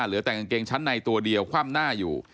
เหลือแต่กางเกงชั้นในตัวเดียวคว่ำหน้าอยู่